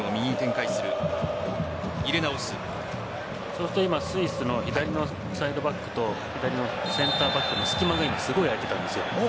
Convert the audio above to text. そして今スイスの左のサイドバックと左のセンターバックの隙間の位置すごい空いていたんですよ。